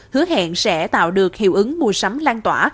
hứa hẹn sẽ tạo được hiệu ứng mua sắm lan tỏa